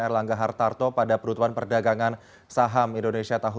erlangga hartarto pada perutuan perdagangan saham indonesia tahun dua ribu dua puluh